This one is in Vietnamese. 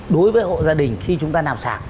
đối với hộ gia đình khi chúng ta nạp sạc